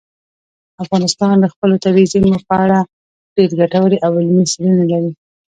افغانستان د خپلو طبیعي زیرمو په اړه ډېرې ګټورې او علمي څېړنې لري.